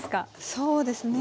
そうですね